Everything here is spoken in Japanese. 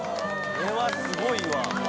これはすごいわ。